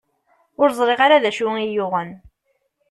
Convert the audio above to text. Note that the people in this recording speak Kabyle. Ur ẓriɣ ara d acu i yi-yuɣen.